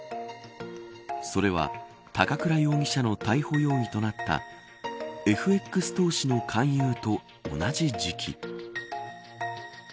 それは高倉容疑者の逮捕容疑となったＦＸ投資の勧誘と同じ時期。